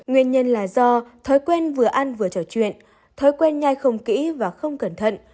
nguyên nhân là do thói quen vừa ăn vừa trò chuyện thói quen nhai không kỹ và không cẩn thận